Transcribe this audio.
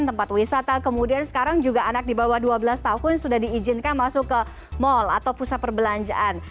tempat wisata kemudian sekarang juga anak di bawah dua belas tahun sudah diizinkan masuk ke mal atau pusat perbelanjaan